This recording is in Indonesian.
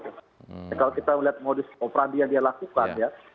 kalau kita melihat modus operandi yang dia lakukan ya